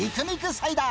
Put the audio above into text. サイダー。